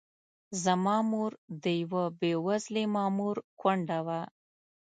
زما مور د یوه بې وزلي مامور کونډه وه.